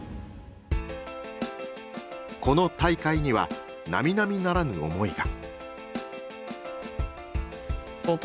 この大会にはなみなみならぬ思いが。